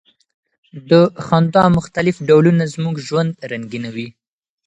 د خندا مختلف ډولونه زموږ ژوند رنګینوي.